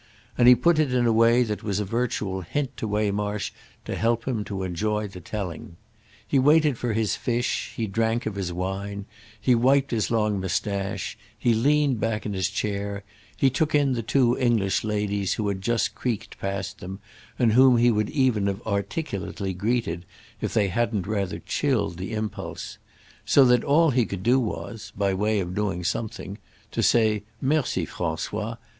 —and he put it in a way that was a virtual hint to Waymarsh to help him to enjoy the telling. He waited for his fish, he drank of his wine, he wiped his long moustache, he leaned back in his chair, he took in the two English ladies who had just creaked past them and whom he would even have articulately greeted if they hadn't rather chilled the impulse; so that all he could do was—by way of doing something—to say "Merci, François!"